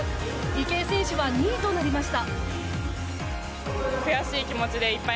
池江選手は２位となりました。